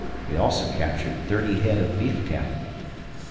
We also captured 30 head of beef cattle.